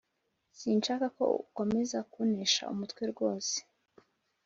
sinshaka ko ukomeza kunesha umutwe rwose